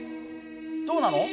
どうなの？